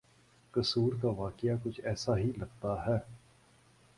قصور کا واقعہ کچھ ایسا ہی لگتا ہے۔